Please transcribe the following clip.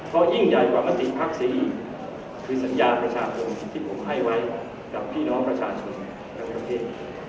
เพราะยิ่งใหญ่กว่าปกติภักดิ์คือสัญญาประชาคมสิ่งที่ผมให้ไว้กับพี่น้องประชาชนทั้งประเทศ